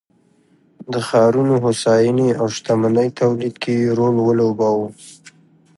د ښارونو هوساینې او شتمنۍ تولید کې یې رول ولوباوه